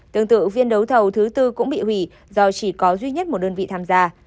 tương tự phiên đấu thầu thứ tư cũng bị hủy do chỉ có duy nhất một đơn vị tham gia